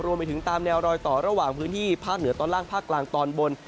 รวมไปถึงตามแนวรอยต่อระหว่างพื้นที่ภาคเหนือตอนล่างภาคกลางตอนบน